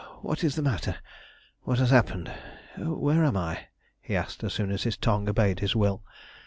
"What is the matter? What has happened? Where am I?" he asked, as soon as his tongue obeyed his will.